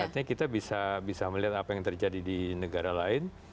artinya kita bisa melihat apa yang terjadi di negara lain